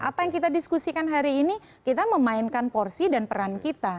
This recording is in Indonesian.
apa yang kita diskusikan hari ini kita memainkan porsi dan peran kita